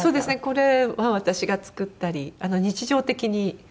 これは私が作ったり日常的に。